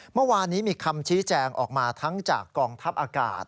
เมื่อวานนี้มีคำชี้แจงออกมาทั้งจากกองทัพอากาศ